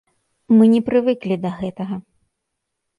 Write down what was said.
Мы не прывыклі да гэтага.